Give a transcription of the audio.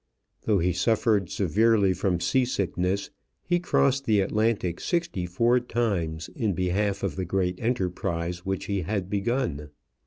Though he suffered severely from seasickness, he crossed the Atlantic sixty four times in behalf of the great enterprise which he had begun.